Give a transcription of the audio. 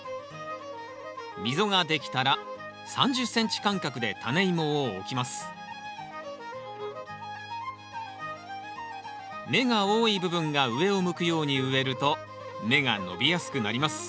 溝が出来たら３０ｃｍ間隔でタネイモを置きます芽が多い部分が上を向くように植えると芽が伸びやすくなります